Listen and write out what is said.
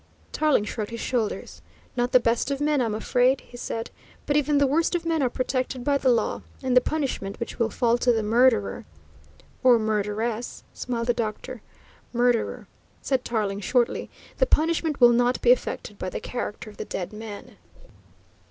Tarling shrugged his shoulders. "Not the best of men, I'm afraid," he said; "but even the worst of men are protected by the law, and the punishment which will fall to the murderer " "Or murderess," smiled the doctor. "Murderer," said Tarling shortly. "The punishment will not be affected by the character of the dead man."